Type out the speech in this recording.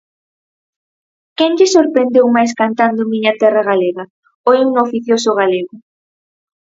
Quen lle sorprendeu máis cantando Miña terra galega, o himno oficioso galego?